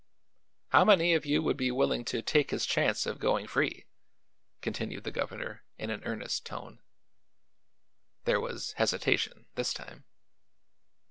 "How many of you would be willing to take his chance of going free?" continued the governor in an earnest tone. There was hesitation, this time.